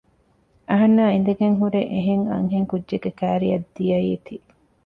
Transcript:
އަހަންނާ އިނދެގެންހުރެ އެހެން އަންހެން ކުއްޖެއް ކައިރިއަށް ދިޔައީތީ